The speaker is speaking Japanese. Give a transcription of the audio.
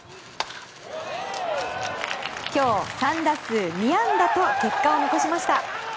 今日３打数２安打と結果を残しました。